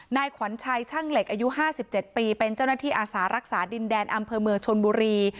นายขวัญชัยช่างเหล็กอายุ๕๗ปีเป็นเจ้าหน้าที่อาสารักษาดินแดนอำเภอเมืองชนบุรี